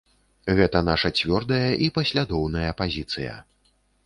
Гэта наша цвёрдая і паслядоўная пазіцыя.